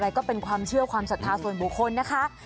ก็เป็นความเชื่อความศรัทธาส่วนบุคคลนะคะ